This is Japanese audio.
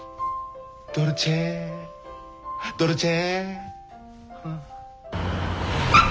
ドルチェドルチェ。